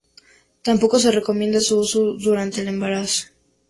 Tampoco se recomienda su uso durante el embarazo.